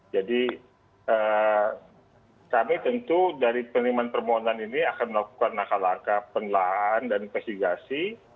jadi kami tentu dari penerimaan permohonan ini akan melakukan nakalaka penelahan dan pesigasi